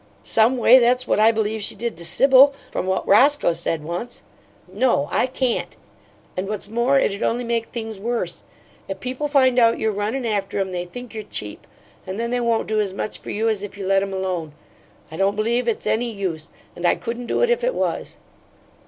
Some way, that's what I believe she did to Sibyl, from what Roscoe said once. No, I CAN'T and, what's more, it'd only make things worse. If people find out you're runnin' after 'em they think you're cheap, and then they won't do as much for you as if you let 'em alone. I don't believe it's any use, and I couldn't do it if it was."